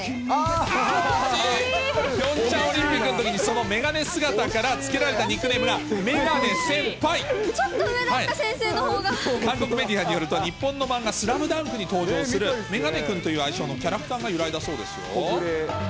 ピョンチャンオリンピックのときに、そのメガネ姿からつけられたちょっと上だった、先生のほ韓国メディアによると、日本の漫画、スラムダンクに登場するメガネくんという愛称のキャラクターが由来だそうですよ。